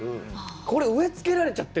これ、植え付けられちゃってる。